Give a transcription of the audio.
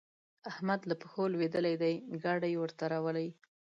احمد له پښو لوېدلی دی؛ ګاډی ورته راولي.